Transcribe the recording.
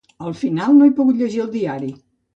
Al final, no he pogut llegir el diari.